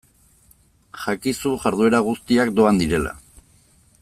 Jakizu jarduera guztiak doan direla.